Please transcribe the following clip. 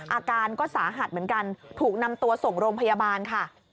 อาการก็สาหัสเหมือนกันถูกนำตัวส่งโรงพยาบาลค่ะ